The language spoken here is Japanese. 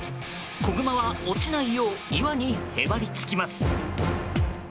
子グマは落ちないよう岩にへばりつきます。